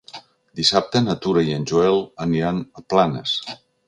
Dissabte na Tura i en Joel aniran a Planes.